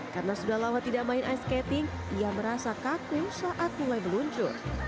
karena sudah lama tidak main ice skating dia merasa kaku saat mulai meluncur